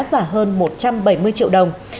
và hơn một trăm bảy mươi triệu đồng